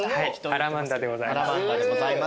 アラマンダでございます。